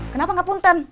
kenapa enggak punten